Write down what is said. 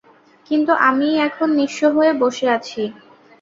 কিন্তু আমিই এখন নিঃস্ব হয়ে বসে আছি।